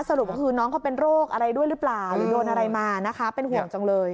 สรุปก็คือน้องเขาเป็นโรคอะไรด้วยหรือเปล่าหรือโดนอะไรมานะคะเป็นห่วงจังเลย